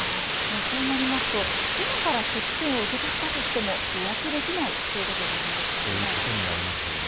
そうなりますと今から接種券を受け取ったとしても予約できないということになりよね。